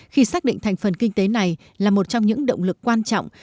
khi xác định thành phần kinh tế này là một trong những động lực quan trọng